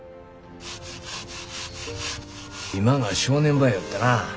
今が正念場やよってな。